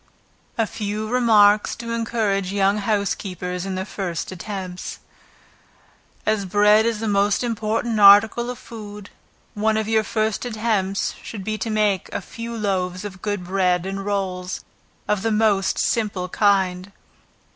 A few Remarks to Encourage Young Housekeepers in their First Attempts. As bread is the most important article of food, one of your first attempts should be to make a few loaves of good bread and rolls, of the most simple kind.